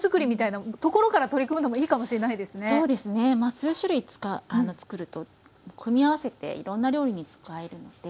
数種類作ると組み合わせていろんな料理に使えるので。